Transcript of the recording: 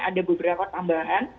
ada beberapa tambahan